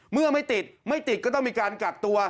เมื่อไม่ติดไม่ติดก็ต้องมีการกักตัว